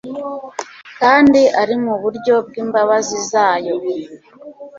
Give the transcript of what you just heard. Kandi ari mu buryo bw'imbabazi zayo.